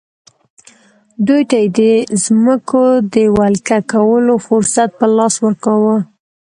دوی ته یې د ځمکو د ولکه کولو فرصت په لاس ورکاوه.